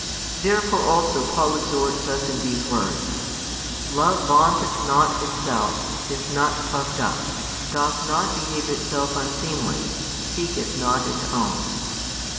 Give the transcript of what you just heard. Therefore also Paul exhorts us in the words: Love vaunteth not itself, is not puffed up, doth not behave itself unseemly, seeketh not its own.